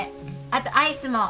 あとアイスも。